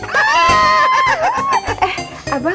ini udah kucel